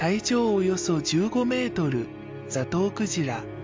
およそ１５ｍザトウクジラ